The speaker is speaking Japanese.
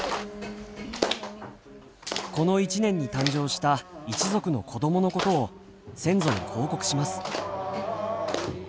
この一年に誕生した一族の子供のことを先祖に報告します。